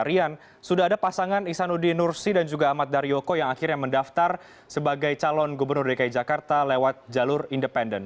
rian sudah ada pasangan ihsanuddin nursi dan juga ahmad daryoko yang akhirnya mendaftar sebagai calon gubernur dki jakarta lewat jalur independen